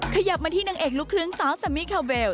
ขยับมาที่นางเอกลูกครึ่งสาวแซมมี่คาเวล